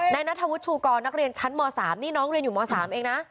นัทธวุฒิชูกรนักเรียนชั้นม๓นี่น้องเรียนอยู่ม๓เองนะ